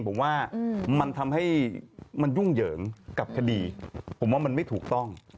ผมว่ามันทำให้มันยุ่งเหยิงกับคดีผมว่ามันไม่ถูกต้อง